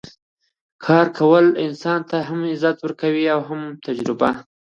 کار کول انسان ته هم عزت ورکوي او هم تجربه